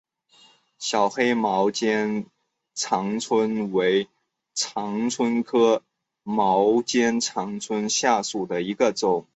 小黑毛肩长蝽为长蝽科毛肩长蝽属下的一个种。